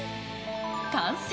完成。